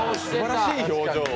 すばらしい表情。